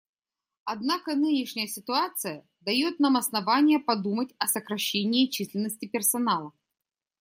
Однако нынешняя ситуация дает нам основания подумать о сокращении численности персонала.